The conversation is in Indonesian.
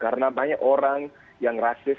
karena banyak orang yang rasis